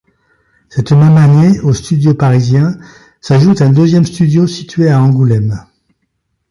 Cette même année, au studio parisien s'ajoute un deuxième studio situé à Angoulême.